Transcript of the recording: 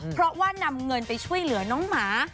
เพราะว่านำเงินไปช่วยเหลือน้องหมา